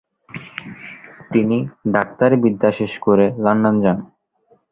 তিনি ডাক্তারি বিদ্যা শেষ করে লন্ডন যান।